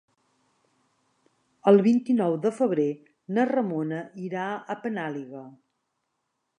El vint-i-nou de febrer na Ramona irà a Penàguila.